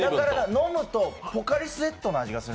飲むとポカリスエットの味がする。